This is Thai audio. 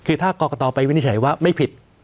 คือถ้ากรกตไปวินิจฉัยว่าไม่ผิด